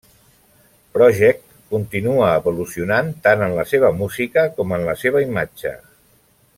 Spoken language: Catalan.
Project, continu evolucionat tant en la seva música com en la seva imatge.